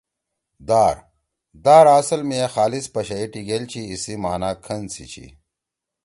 دار: دار اصل می اے خالص پشئی ٹیِگیل چھی ایِسی معنی کھن سی چھی۔